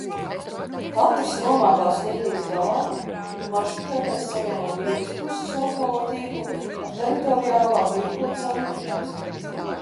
Katras nomātās līnijas galā, maršrutētājs savieno vienas puses lokālo tīklu ar teritoriālā tīkla centrmezglu.